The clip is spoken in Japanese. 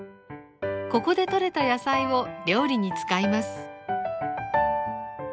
ここでとれた野菜を料理に使います。